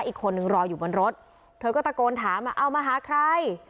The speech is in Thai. อีกคนนึงรออยู่บนรถเธอก็ตะโกนถามอ่ะเอามาหาใคร